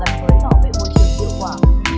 làm tối đỏ về môi trường tiêu quả